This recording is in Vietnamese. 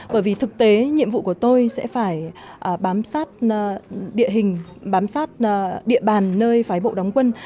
bởi vì thực tế nhiệm vụ của tôi sẽ phải bám sát địa hình bám sát địa bàn nơi phái bộ đóng quân